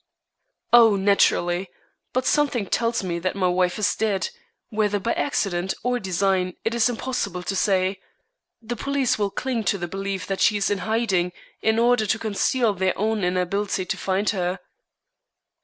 "Oh, naturally. But something tells me that my wife is dead, whether by accident or design it is impossible to say. The police will cling to the belief that she is in hiding in order to conceal their own inability to find her."